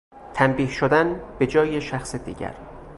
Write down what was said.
تنبیه شدن به جای شخص دیگر